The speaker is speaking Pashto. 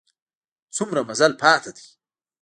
څومره مزل پاته دی؟